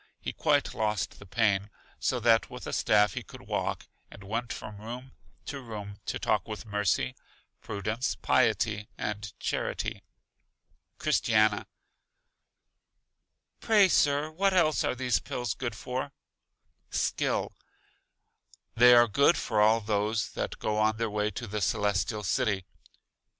He quite lost the pain, so that with a staff he could walk, and went from room to room to talk with Mercy, Prudence, Piety and Charity. Christiana: Pray, Sir, what else are these Pills good for? Skill: They are good for all those that go on their way to The Celestial City.